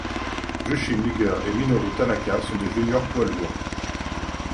Jushin Liger et Minoru Tanaka sont des juniors poids-lourds.